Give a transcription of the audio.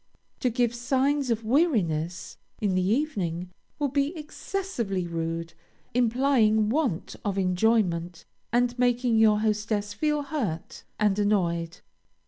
To give signs of weariness in the evening will be excessively rude, implying want of enjoyment, and making your hostess feel hurt and annoyed.